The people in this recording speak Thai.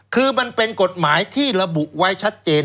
คือมันเป็นกฎหมายที่ระบุไว้ชัดเจน